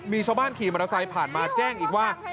มีชาวบ้านขี่มอเตอร์ไซค์ผ่านมาแจ้งอีกว่า